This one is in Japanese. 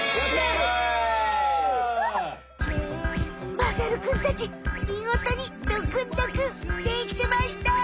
まさるくんたちみごとにドクンドクンできてました！